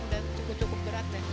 udah cukup cukup berat ya